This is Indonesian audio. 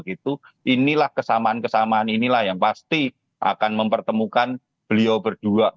inilah kesamaan kesamaan inilah yang pasti akan mempertemukan beliau berdua